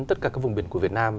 tất cả các vùng biển của việt nam